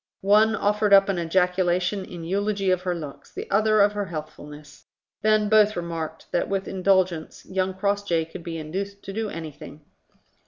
One offered up an ejaculation in eulogy of her looks, the other of her healthfulness: then both remarked that with indulgence young Crossjay could be induced to do anything.